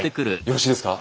よろしいですか？